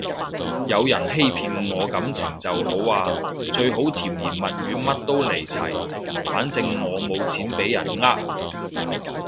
有人欺騙我感情就好啊，最好甜言蜜語乜都嚟齊，反正我冇錢畀人呃